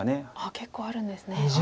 結構あるんですね。